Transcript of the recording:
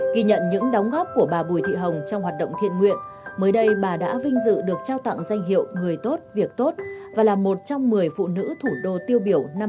ghi nhận những đóng góp của bà bùi thị hồng trong hoạt động thiện nguyện mới đây bà đã vinh dự được trao tặng danh hiệu người tốt việc tốt và là một trong một mươi phụ nữ thủ đô tiêu biểu năm hai nghìn một mươi tám